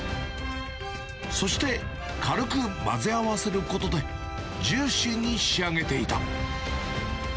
そして、軽く混ぜ合わせることで、ジューシーに仕上げていた。